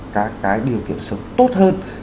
các cái điều kiện sống tốt hơn